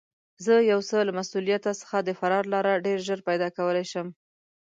زه یو څه له مسوولیته څخه د فرار لاره ډېر ژر پیدا کولای شم.